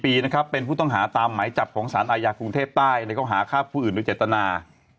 ปีนะครับเป็นผู้ต้องหาตามหมายจับของสารอาญากรุงเทพใต้ในข้อหาฆ่าผู้อื่นโดยเจตนา